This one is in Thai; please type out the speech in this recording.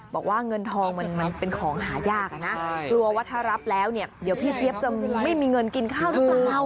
บอกว่าเงินทองมันเป็นของหายากอะนะกลัวว่าถ้ารับแล้วเนี่ยเดี๋ยวพี่เจี๊ยบจะไม่มีเงินกินข้าวหรือเปล่า